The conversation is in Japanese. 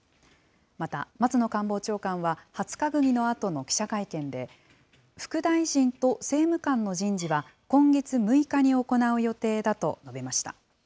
また松野官房長官は、初閣議のあとの記者会見で、副大臣と政務官の人事は、今月６日に行う予定だと述べました。